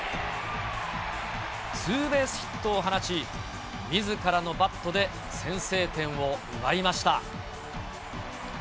ツーベースヒットを放ち、みずからのバットで先制点を奪いました。